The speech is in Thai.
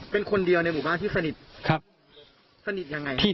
เป็นคนเดียวในหมู่บ้านที่สนิทสนิทยังไง